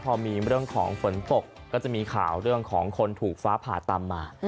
พอมีเรื่องของฝนตกก็จะมีข่าวเรื่องของคนถูกฟ้าผ่าตามมา